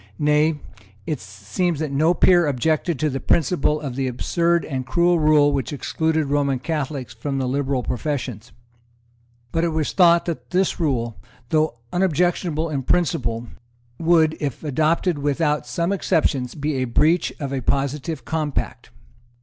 Nay, it seems that no peer objected to the principle of the absurd and cruel rule which excluded Roman Catholics from the liberal professions. But it was thought that this rule, though unobjectionable in principle, would, if adopted without some exceptions, be a breach of a positive compact.